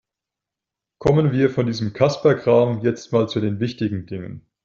Kommen wir von diesem Kasperkram jetzt mal zu den wichtigen Dingen.